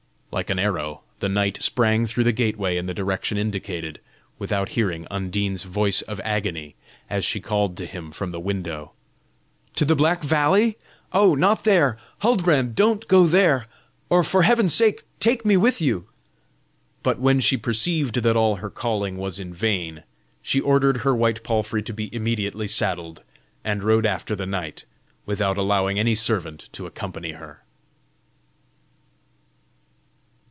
Like an arrow the knight sprang through the gateway in the direction indicated, without hearing Undine's voice of agony, as she called to him from the window: "To the Black Valley! Oh, not there! Huldbrand, don't go there! or, for heaven's sake, take me with you!" But when she perceived that all her calling was in vain, she ordered her white palfrey to be immediately saddled, and rode after the knight, without allowing any servant to accompany her.